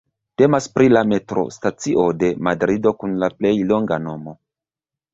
Temas pri la metrostacio de Madrido kun la plej longa nomo.